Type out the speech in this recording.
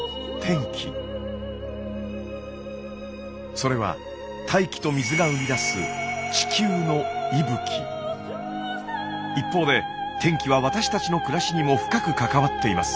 それは大気と水が生み出す一方で天気は私たちの暮らしにも深く関わっています。